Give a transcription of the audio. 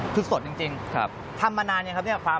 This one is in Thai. คือสดจริงทำมานานอย่างไรครับความ